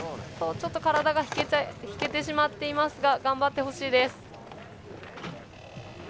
体が引けてしまっていますが頑張ってほしいです。